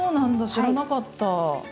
知らなかった。